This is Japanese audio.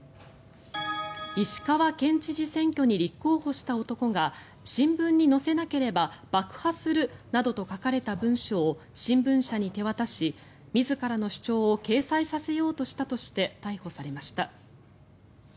石川県知事選挙に立候補した男が新聞に載せなければ爆破するなどと書かれた文書を新聞社に手渡し、自らの主張を掲載させようとしたとして逮捕されました。